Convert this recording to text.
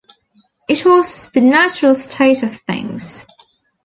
It was the natural state of things.